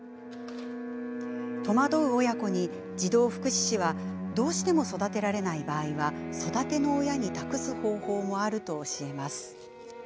戸惑う親子に児童福祉司はどうしても育てられない場合は育ての親に託す方法もあると教えます。